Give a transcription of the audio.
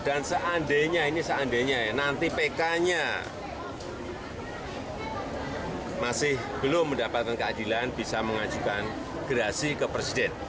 dan seandainya ini seandainya ya nanti pk nya masih belum mendapatkan keadilan bisa mengajukan kerasi ke presiden